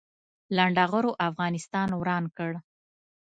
لنډغرو افغانستان وران کړ